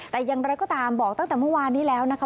แต่อย่างไรก็ตามบอกตั้งแต่เมื่อวานนี้แล้วนะคะ